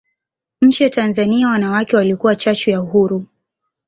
nchi ya Tanzania wanawake walikuwa chachu ya uhuru